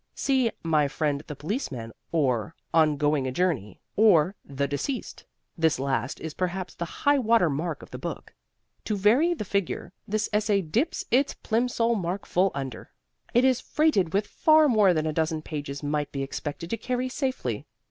See "My friend the Policeman," or "On Going a Journey," or "The Deceased" this last is perhaps the high water mark of the book. To vary the figure, this essay dips its Plimsoll mark full under. It is freighted with far more than a dozen pages might be expected to carry safely.